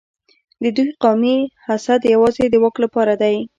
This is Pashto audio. د دوی قومي حسد یوازې د واک لپاره دی.